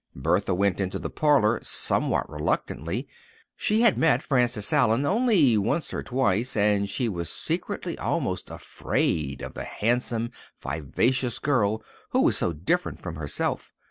Bertha went into the parlour somewhat reluctantly. She had met Frances Allen only once or twice and she was secretly almost afraid of the handsome, vivacious girl who was so different from herself.